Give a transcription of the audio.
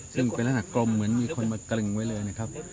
ซึ่งเป็นลักษณะกลมเหมือนมีคนมากลึงไว้เลยนะครับ